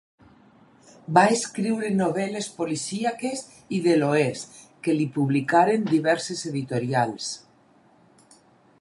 Va escriure novel·les policíaques i de l'oest que li publicaren diverses editorials.